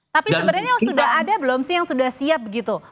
tapi sebenarnya sudah ada belum sih yang sudah siap begitu